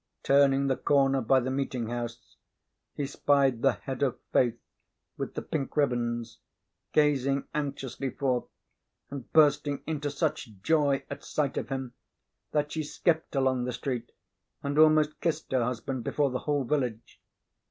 Turning the corner by the meeting house, he spied the head of Faith, with the pink ribbons, gazing anxiously forth, and bursting into such joy at sight of him that she skipped along the street and almost kissed her husband before the whole village.